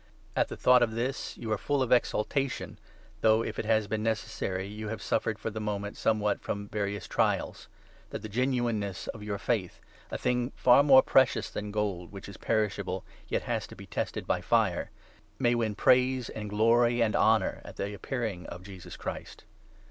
At the thought 6 of this you are full of exultation, though (if it has been necessary) you have suffered for the moment somewhat from various trials ; that the genuineness of your faith — a thing far 7 more precious than gold, which is perishable, yet has to be tested by fire — may win praise and glory and honour at the Appearing of Jesus Christ.